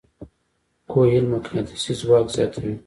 کویل مقناطیسي ځواک زیاتوي.